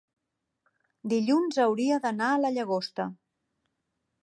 dilluns hauria d'anar a la Llagosta.